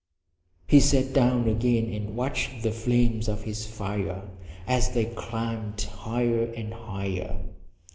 He sat down again and watched the flames of his fire as they climbed higher and higher.